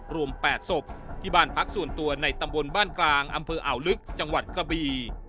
รวม๘ศพที่บ้านพักส่วนตัวในตำบลบ้านกลางอำเภออ่าวลึกจังหวัดกระบี